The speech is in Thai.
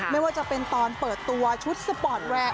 ไม่ว่าจะเป็นตอนเปิดตัวชุดสปอร์ตแวร์